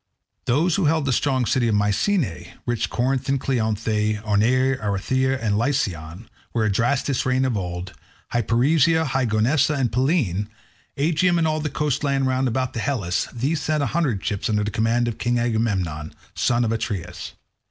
Those who held the strong city of Mycenae, rich Corinth and Cleonae; Orneae, Araethyrea, and Licyon, where Adrastus reigned of old; Hyperesia, high Gonoessa, and Pellene; Aegium and all the coast land round about Helice; these sent a hundred ships under the command of King Agamemnon, son of Atreus.